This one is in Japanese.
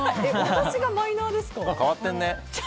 私がマイナーですか？